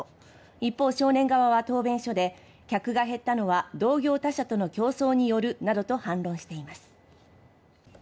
一方、少年側は答弁書で客が減ったのは同業他社との競争によるなどと反論しています。